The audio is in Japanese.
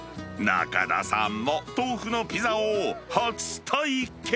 中田さんも豆腐のピザを初体験。